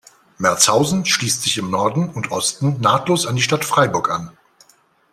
Merzhausen schließt sich im Norden und Osten nahtlos an die Stadt Freiburg an.